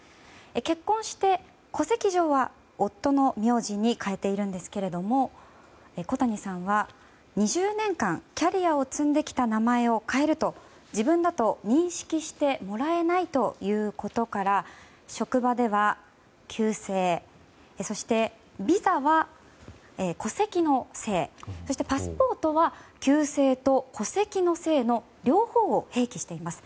結婚して、戸籍上は夫の名字に変えているんですけども小谷さんは２０年間キャリアを積んできた名前を変えると自分だと、認識してもらえないということから職場では、旧姓そして、ビザは戸籍の姓そしてパスポートは旧姓と戸籍の姓の両方を併記しています。